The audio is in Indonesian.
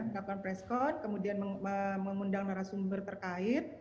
melakukan presscon kemudian memundang narasumber terkait